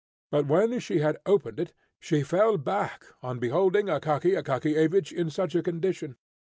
But when she had opened it, she fell back on beholding Akaky Akakiyevich in such a condition.